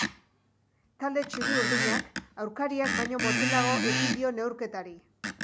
Talde txuri-urdinak aurkariak baino motelago ekin dio neurketari.